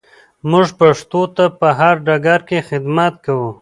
موږ پښتو ته په هر ډګر کې خدمت کوو.